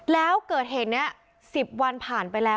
แล้วเกิดเหตุนี้๑๐วันผ่านไปแล้ว